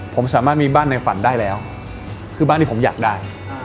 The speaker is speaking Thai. ผมสามารถมีบ้านในฝันได้แล้วคือบ้านที่ผมอยากได้